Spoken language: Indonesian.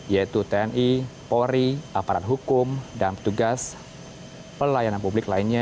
yaitu tni polri aparat hukum dan petugas pelayanan publik lainnya